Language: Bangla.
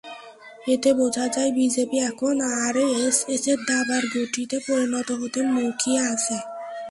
এতে বোঝা যায়, বিজেপি এখন আরএসএসের দাবার ঘুঁটিতে পরিণত হতে মুখিয়ে আছে।